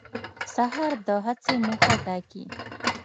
سهار د هڅې موخه ټاکي.